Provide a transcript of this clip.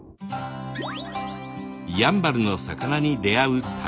やんばるの魚に出会う旅。